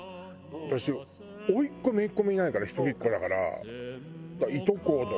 私おいっ子めいっ子もいないから一人っ子だから。